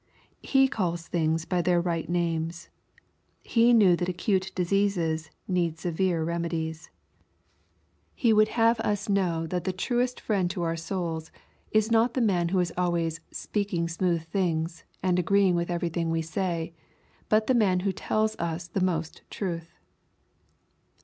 He calls things by their right names. He knew that acute diseases need severe remedies. He would LUKE^ CHAP. XI. 51 have us know that the traest friend to our souls, is not the man who is always " speaking smooth things,*' and agreeing with everything we say, but the man who tells lis the most truth.